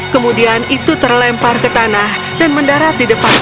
kemudian itu terlempar ke tanah dan mendarat di depan